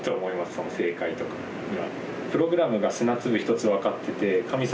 その正解とかが。